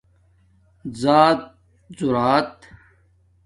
ذآتذݸرات